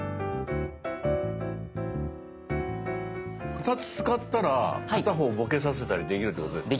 ２つ使ったら片方ボケさせたりできるってことですか？